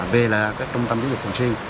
về là các trung tâm giới dục thường xuyên